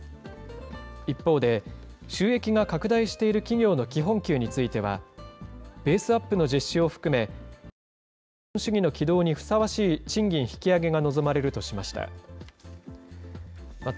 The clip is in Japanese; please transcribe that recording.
一方で、収益が拡大している企業の基本給については、ベースアップの実施を含め、新しい資本主義の起動にふさわしい賃金引き上げが望まれるとしました。